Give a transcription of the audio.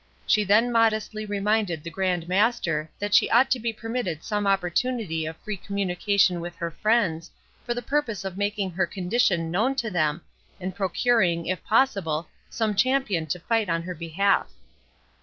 She then modestly reminded the Grand Master, that she ought to be permitted some opportunity of free communication with her friends, for the purpose of making her condition known to them, and procuring, if possible, some champion to fight in her behalf.